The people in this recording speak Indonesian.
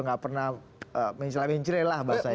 nggak pernah mensela mensela lah bahasanya